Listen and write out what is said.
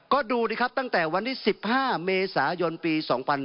ก็ดูดิครับตั้งแต่วันที่๑๕เมษายนปี๒๕๕๙